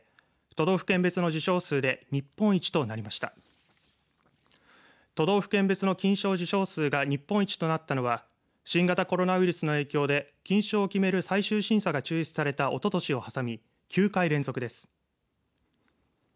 都道府県別の金賞受賞数が日本一となったのは新型コロナウイルスの影響で金賞を決める最終審査が中止されたおととしを挟み９回連続です。